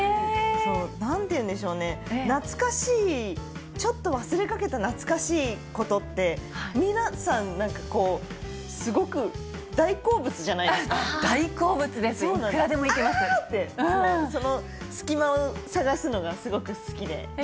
なんて言うんでしょうね、懐かしい、ちょっと忘れかけた懐かしいことって、皆さん、なんかこう、大好物です、いくらでもいけその隙間を探すのがすごく好きで。